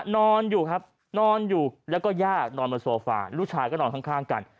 นอนอยู่ครับแล้วก็ญาตินอนบนโฟฟาลูกชายก็นอนข้างกัน